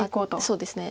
そうですね。